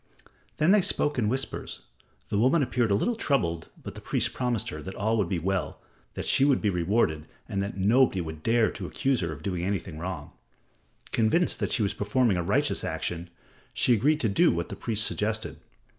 Then they spoke in whispers. The woman appeared a little troubled, but the priest promised her that all would be well, that she would be rewarded, and that nobody would dare to accuse her of doing anything wrong. Convinced that she was performing a righteous action, she agreed to do what the priest suggested.